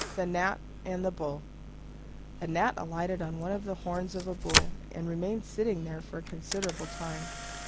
THE GNAT AND THE BULL A Gnat alighted on one of the horns of a Bull, and remained sitting there for a considerable time.